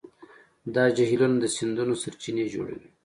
دا جهیلونه د سیندونو سرچینې جوړوي.